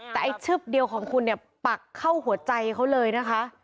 แต่ไอ้ชึบเดียวของคุณเนี่ยปักเข้าหัวใจเขาเลยนะคะ